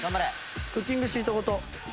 クッキングシートごと。